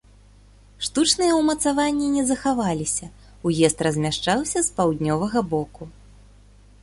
Штучныя ўмацаванні не захаваліся, уезд размяшчаўся з паўднёвага боку.